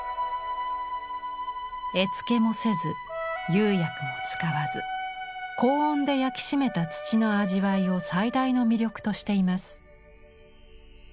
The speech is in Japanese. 絵付けもせず釉薬も使わず高温で焼き締めた土の味わいを最大の魅力としています。